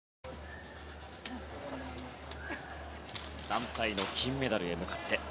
団体の金メダルへ向かって。